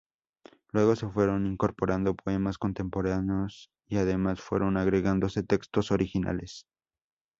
Luego se fueron incorporando poemas contemporáneos y además fueron agregándose textos originales.